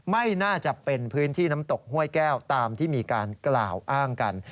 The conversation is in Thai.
ไม่น่าจะเป็นพื้นที่น้ำตกห้วยแก้วตามที่มีการกล่าวอ้างกัน